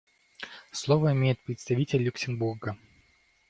Слово имеет представитель Люксембурга.